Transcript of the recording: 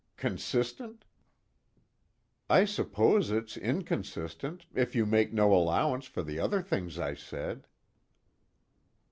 Consistent?" "I suppose it's inconsistent, if you make no allowance for the other things I said."